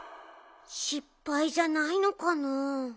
しっぱいじゃないのかな？